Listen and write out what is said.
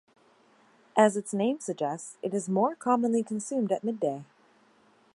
As its name suggests, it is more commonly consumed at midday.